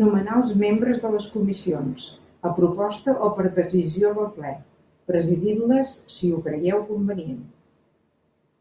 Nomenar els membres de les comissions, a proposta o per decisió del Ple, presidint-les si ho creu convenient.